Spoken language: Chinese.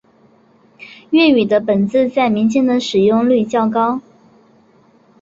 粤语的本字在民间的使用率较高。